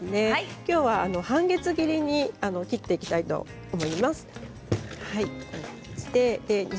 きょうは半月切りに切っていきたいと思います。